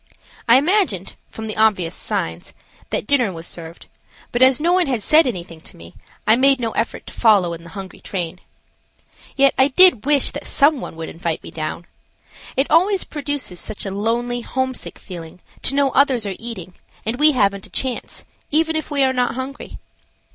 I imagined, from the obvious signs, that dinner was served, but as no one had said anything to me I made no effort to follow in the hungry train. Yet I did wish that some one would invite me down. It always produces such a lonely, homesick feeling to know others are eating, and we haven't a chance, even if we are not hungry.